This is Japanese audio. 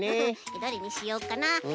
どれにしようかな？